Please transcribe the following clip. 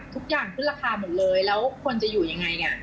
ทุกอย่างขึ้นราคาหมดเลยแล้วคนจะอยู่ยังไง